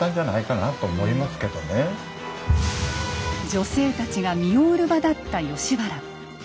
女性たちが身を売る場だった吉原。